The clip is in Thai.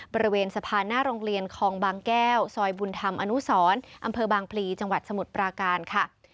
บริเวณสะพานหน้าโรงเรียนคลองบางแก้วซอยบุญธรรมอนุสรอำเภอบางพลีจังหวัดสมุทรปราการค่ะ